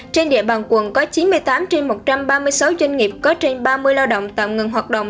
trên địa bàn quận có chín mươi tám trên một trăm ba mươi sáu doanh nghiệp có trên ba mươi lao động tạm ngừng hoạt động